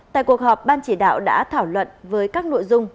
tại cuộc họp ban chỉ đạo đã thảo luận với các nội dung